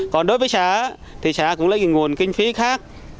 còn đối với xã thì xã cũng lấy cái nguồn kinh phí khác